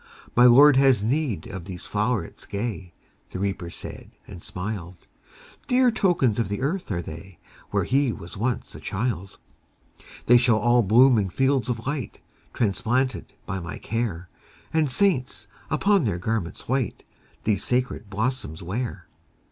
My Lord has need of these flowerets gay. The Reaper said, and smiled : Dear tokens of the earth are they, Where he was once a child. They shall all bloom in fields of light, Transplanted by my care, And saints, upon their garments white, These sacred blossoms wear.